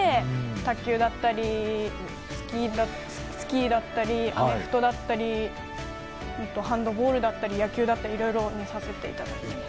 卓球だったり、スキーだったりアメフトだったりハンドボールだったり野球だったりいろいろ見させていただいています。